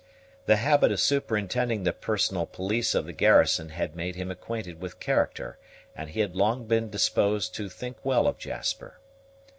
The habit of superintending the personal police of the garrison had made him acquainted with character, and he had long been disposed to think well of Jasper.